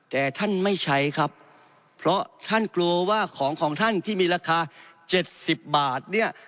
แต่ท่านไม่ใช้ครับเพราะท่านกลัวว่าของของท่านที่มีราคา๗๐บาท